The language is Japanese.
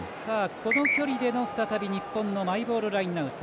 この距離での再び日本のマイボールラインアウト。